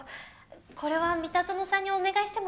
これは三田園さんにお願いしてもいいですか？